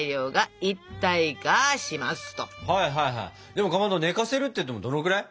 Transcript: でもかまど寝かせるっていってもどのぐらい？